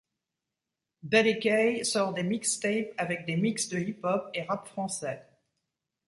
Daddy K sort des mixtape avec des mix de hip-hop et rap français.